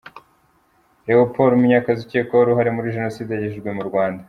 Leopold Munyakazi ukekwaho uruhare muri jenoside yagejejwe mu Rwanda.